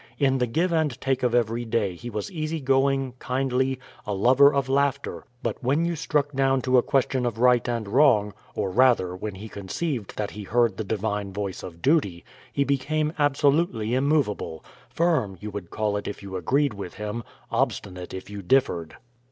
In the give and take of every day he was easy going, kindly, a lover of laughter; but when you struck down to a question of right and wrong, or, rather, when he conceived that he heard the divine voice of duty, he became absolutely immovable firm, you would call it if you agreed with him, obstinate if you differed.